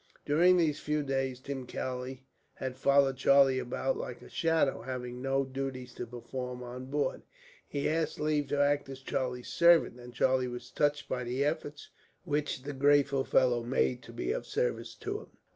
During these few days, Tim Kelly had followed Charlie about like a shadow. Having no duties to perform on board, he asked leave to act as Charlie's servant; and Charlie was touched by the efforts which the grateful fellow made to be of service to him.